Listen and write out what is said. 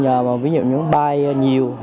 nhờ mà ví dụ như bay nhiều